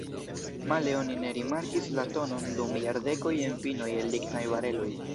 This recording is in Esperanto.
Male oni ne rimarkis la tonon dum jardekoj en vinoj el lignaj bareloj.